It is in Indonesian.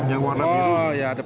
yang warna biru